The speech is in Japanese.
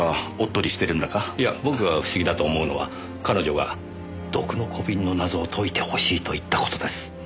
いや僕が不思議だと思うのは彼女が「毒の小瓶の謎を解いてほしい」と言った事です。